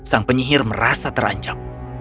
sang penyihir merasa terancam